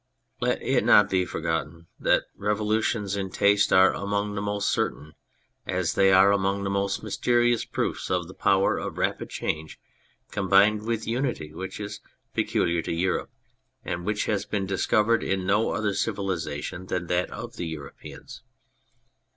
Let it not be forgotten that revolutions in taste are among the most certain as they are among the most mysterious proofs of the power of rapid change com bined with unity which is peculiar to Europe, and which has been discovered in no other civilisations than that of the Europeans.